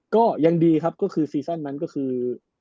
ก็ยังดีครับก็คือซีซั่นนั้นก็คือ